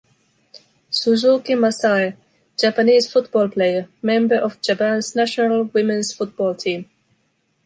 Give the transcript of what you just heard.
Suzuki Masae, Japanese football player, member of Japan’s National Women’s Football Team.